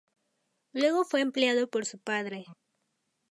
Luego fue empleado por su padre.